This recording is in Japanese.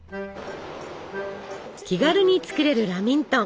気軽に作れるラミントン。